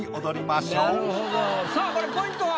さあこれポイントは？